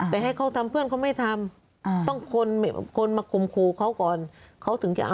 แต่ให้เขาทำเพื่อนเขาไม่ทำต้องคนมาคมครูเขาก่อนเขาถึงจะเอา